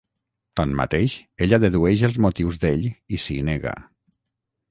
Tanmateix, ella dedueix els motius d'ell i s'hi nega.